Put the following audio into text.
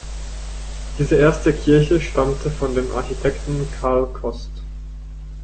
Diese erste Kirche stammte von dem Architekten Carl Cost.